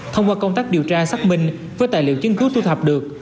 thông qua công tác điều tra xác minh với tài liệu chứng cứ thu thập được